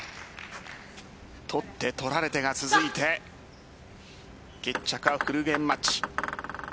取って取られてが続いて決着はフルゲームマッチ。